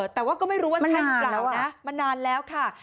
แต่ว่าก็ไม่รู้ว่าใช่หรือเปล่านะมานานแล้วค่ะ